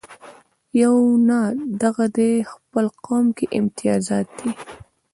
یونه دغه دې خپل قوم کې امتیازات دي.